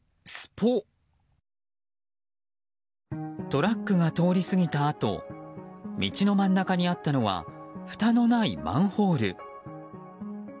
トラックが通り過ぎたあと道の真ん中にあったのはふたのないマンホール。